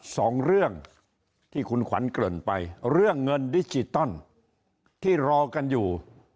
สองเรื่องที่คุณขวัญเกริ่นไปเรื่องเงินดิจิตอลที่รอกันอยู่